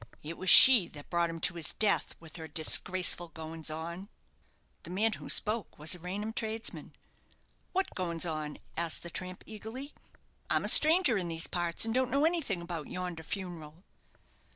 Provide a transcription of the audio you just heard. It was she that brought him to his death, with her disgraceful goings on." The man who spoke was a Raynham tradesman. "What goings on?" asked the tramp, eagerly. "I'm a stranger in these parts, and don't know anything about yonder funeral."